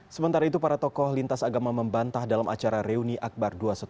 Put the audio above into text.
sementara itu para tokoh lintas agama membantah dalam acara reuni akbar dua ratus dua belas